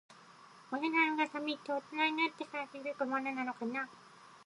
親のありがたみって、大人になってから気づくものなのかな。